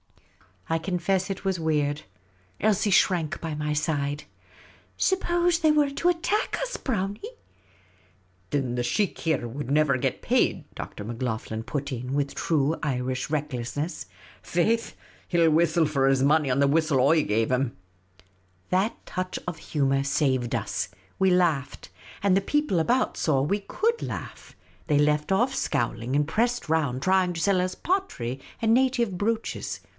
I confess it was weird. Elsie shrank by my side. " vSup pose they were to attack us, Brownie .'•" "Thin the sheikh here would never get paid," Dr. Macloghlen put in with true Irish recklessness. " Faix, he '11 whistle for his money on the whistle I gave him." That touch of humour saved us. We laughed ; and the people about saw we could laugh. They left off scowling, and pressed around trying to sell us pottery and native brooches.